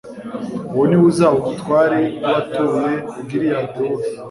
uwo ni we uzaba umutware w'abatuye gilihadi bose